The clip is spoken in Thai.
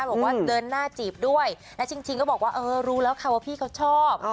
บอกว่าเดินหน้าจีบด้วยและจริงก็บอกว่าเออรู้แล้วค่ะว่าพี่เขาชอบ